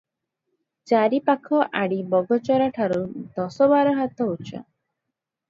ଚାରିପାଖ ଆଡ଼ି ବଗଚରା-ଠାରୁ ଦଶବାରହାତ ଉଚ୍ଚ ।